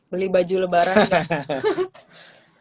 beli baju lebaran